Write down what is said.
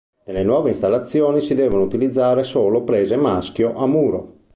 Nelle nuove installazioni si devono utilizzare solo prese maschio a muro.